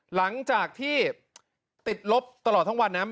หลังจากที่ติดลบตลอดทั้งวันนะ